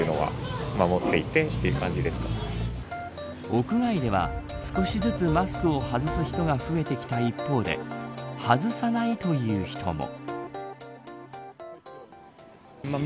屋外では少しずつマスクを外す人が増えてきた一方で外さないという人も。